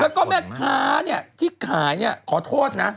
แล้วก็แมคค้ายนี่ขอโทษนะ